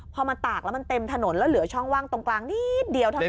พอมาตากแล้วมันเต็มถนนแล้วเหลือช่องว่างตรงกลางนิดเดียวเท่านั้น